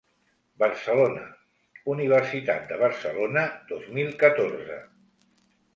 Barcelona: Universitat de Barcelona, dos mil catorze.